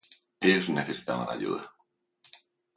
Ellos necesitaban ayuda.